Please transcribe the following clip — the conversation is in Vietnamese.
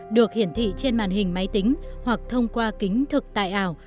được hiển thị trên màn hình máy tính hoặc thông qua kính thực tại ảo